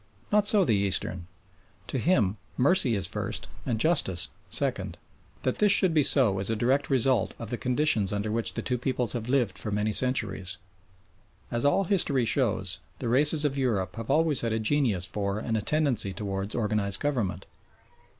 Not so the Eastern. To him mercy is first and justice second. That this should be so is a direct result of the conditions under which the two peoples have lived for many centuries. As all history shows, the races of Europe have always had a genius for and a tendency towards organised government.